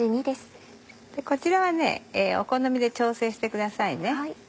こちらはお好みで調整してくださいね。